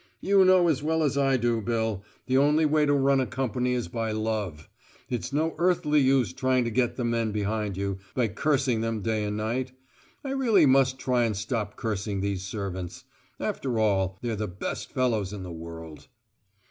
You know as well as I do, Bill, the only way to run a company is by love. It's no earthly use trying to get the men behind you, by cursing them day and night. I really must try and stop cursing these servants. After all, they're the best fellows in the world."